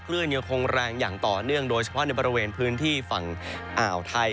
เลื่อนยังคงแรงอย่างต่อเนื่องโดยเฉพาะในบริเวณพื้นที่ฝั่งอ่าวไทย